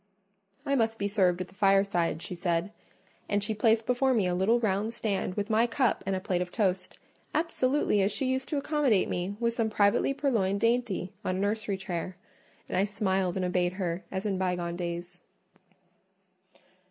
I must be served at the fireside, she said; and she placed before me a little round stand with my cup and a plate of toast, absolutely as she used to accommodate me with some privately purloined dainty on a nursery chair: and I smiled and obeyed her as in bygone days.